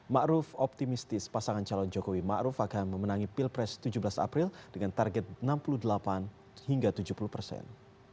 maruf optimistis pasangan calon jokowi maruf akan memenangi pil pres tujuh belas april dengan target enam puluh delapan hingga tujuh puluh persen